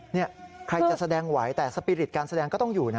นี่ใครจะแสดงไหวแต่สปีริตการแสดงก็ต้องอยู่นะ